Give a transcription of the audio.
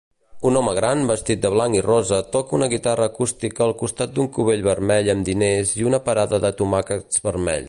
Un home gran vestit de blanc i rosa toca una guitarra acústica al costat d'un cubell vermell amb diners i d'una parada de tomàquets vermells